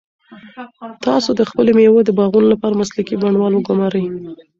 تاسو د خپلو مېوو د باغونو لپاره مسلکي بڼوال وګمارئ.